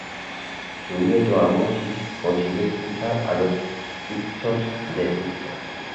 Su nieto Amosis consiguió expulsar a los hicsos de Egipto.